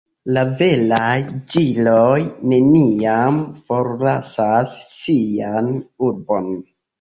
La veraj ĵiloj neniam forlasas sian urbon.